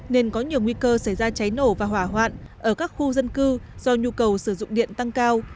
nên có nhiều nguy cơ xảy ra cháy nổ và hỏa hoạn ở các khu dân cư do nhu cầu sử dụng điện tăng cao